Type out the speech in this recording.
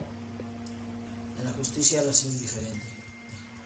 En la justicia, la situación es muy diferente.